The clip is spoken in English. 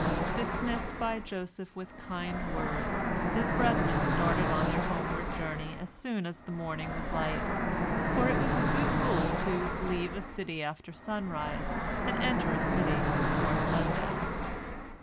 " Dismissed by Joseph with kind words, his brethren started on their homeward journey as soon as the morning was light, for it is a good rule to "leave a city after sunrise, and enter a city before sundown."